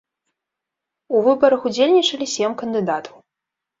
У выбарах удзельнічалі сем кандыдатаў.